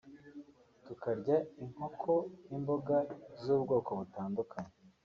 tukarya inkoko n’imboga z’ubwoko butandukanye